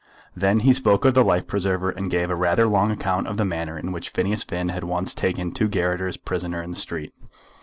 Then he spoke of the life preserver, and gave a rather long account of the manner in which Phineas Finn had once taken two garotters prisoner in the street.